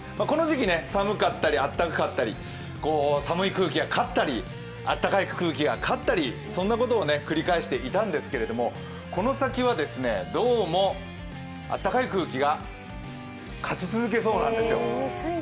この時期、寒かったりあったかかったり、寒い空気が勝ったり暖かい空気が勝ったり、そんなことを繰り返していたんですけどこの先はどうもあったかい空気が勝ち続けそうなんですよ。